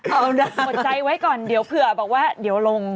เอาล่ะอดใจไว้ก่อนเดี๋ยวเผื่อบอกว่าเดี๋ยวลง